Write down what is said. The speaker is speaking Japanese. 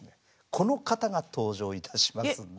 この方が登場いたしますんで。